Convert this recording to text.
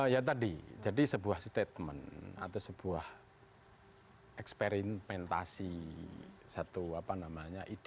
ya tadi jadi sebuah statement atau sebuah eksperimentasi satu apa namanya ide